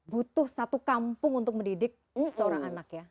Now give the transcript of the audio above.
butuh satu kampung untuk mendidik seorang anak ya